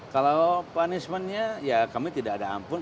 kalau punishmentnya ya kami tidak ada ampun